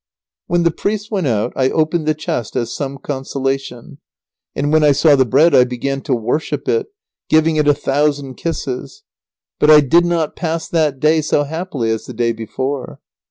When the priest went out, I opened the chest as some consolation, and when I saw the bread I began to worship it, giving it a thousand kisses. But I did not pass that day so happily as the day before.